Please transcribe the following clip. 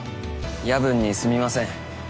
夜分にすみません。